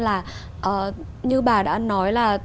là như bà đã nói là